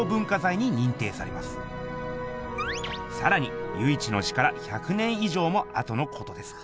さらに由一の死から１００年い上もあとのことですが。